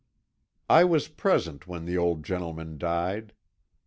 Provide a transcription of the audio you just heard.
"I was present when the old gentleman died.